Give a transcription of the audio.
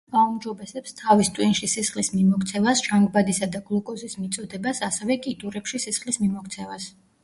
აუმჯობესებს თავის ტვინში სისხლის მიმოქცევას, ჟანგბადისა და გლუკოზის მიწოდებას, ასევე კიდურებში სისხლის მიმოქცევას.